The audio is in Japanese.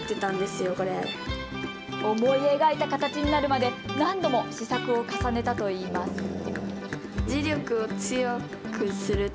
思い描いた形になるまで何度も試作を重ねたといいます。